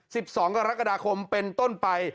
สิบสองกรกฎาคมเป็นต้นไป